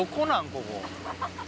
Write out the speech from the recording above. ここ。